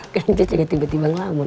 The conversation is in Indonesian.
kayaknya juga tiba tiba ngelamun